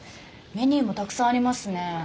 メニューもたくさんありますね。